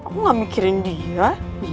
aku gak mikirin dia